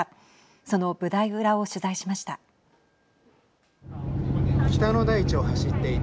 その舞台裏を取材しました。